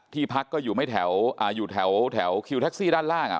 ที่พักก็อยู่ไม่แถวอ่าอยู่แถวแถวคิวแท็กซี่ด้านล่างอ่ะ